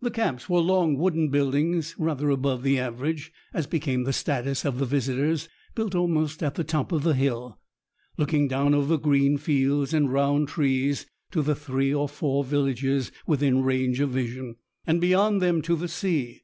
The camps were long wooden buildings, rather above the average, as became the status of the visitors, built almost at the top of a hill, looking down over green fields and round trees to the three or four villages within range of vision, and beyond them to the sea.